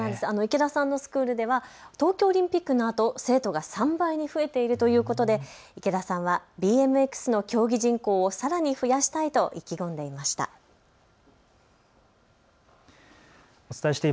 池田さんのスクールでは東京オリンピックのあと生徒が３倍に増えているということで池田さんはＢＭＸの競技人口をさらに増やしたいと意気込んでいました。